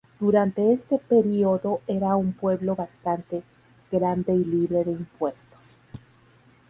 Durante este período era un pueblo bastante grande y libre de impuestos.